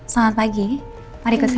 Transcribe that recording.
selamat pagi mari ikut saya